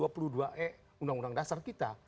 yang sudah diperoleh oleh uu kita